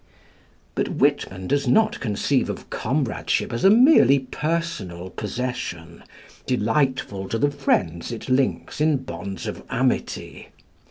But Whitman does not conceive of comradeship as a merely personal possession, delightful to the friends it links in bonds of amity.